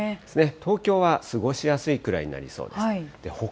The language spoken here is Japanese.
東京は過ごしやすいくらいになりそうです。